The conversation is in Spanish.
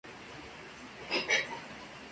Además, hubo de hacer frente a cargos criminales.